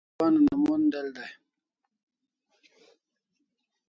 Warek zuban una mon del dai